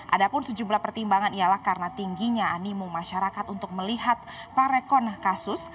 ada pun sejumlah pertimbangan ialah karena tingginya animo masyarakat untuk melihat parekon kasus